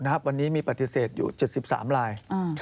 กรณีปฏิเสธอยู่๗๓ลาย